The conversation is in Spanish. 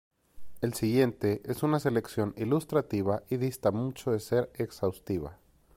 El siguiente es una selección ilustrativa y dista mucho de ser exhaustiva.